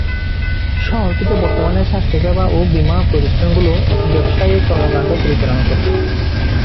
শহরটিতে বর্তমানে স্বাস্থ্যসেবা ও বীমা প্রতিষ্ঠানগুলো ব্যবসায়িক কর্মকাণ্ড পরিচালনা করছে।